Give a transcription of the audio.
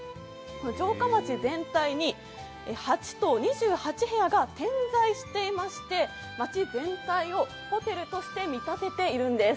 城下町全体に８棟２８部屋が点在していまして町全体をホテルとして見立てているんです。